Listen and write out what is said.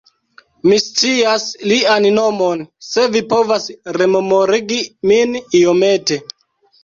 Mi scias lian nomon! Se vi povas rememorigi min iomete!